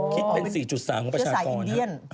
คิดเป็น๔๓ล้านคนประชาชน